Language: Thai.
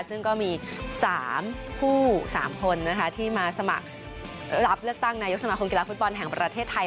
ซึ่งก็มี๓ผู้๓คนที่มาสมัครรับเลือกตั้งนายกสมาคมกีฬาฟุตบอลแห่งประเทศไทย